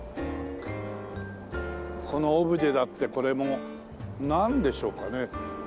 このオブジェだってこれもなんでしょうかね？